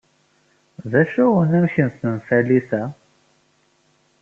D acu-t unamek n tenfalit-a?